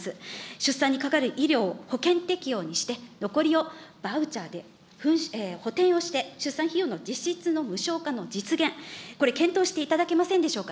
出産にかかる医療を保険適用にして、残りをバウチャーで補填をして、出産費用の実質の無償化の実現、これ、検討していただけませんでしょうか。